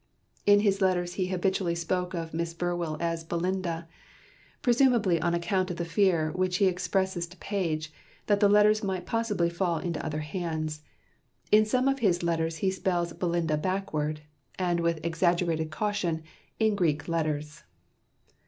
In his letters he habitually spoke of Miss Burwell as "Belinda," presumably on account of the fear which he expresses to Page, that the letters might possibly fall into other hands. In some of his letters he spells "Belinda" backward, and with exaggerated caution, in Greek letters.